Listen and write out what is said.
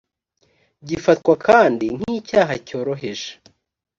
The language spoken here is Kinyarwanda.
gifatwa kandi nk’icyaha cyoroheje